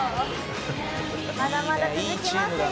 「まだまだ続きますよ」